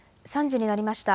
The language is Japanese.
３時になりました。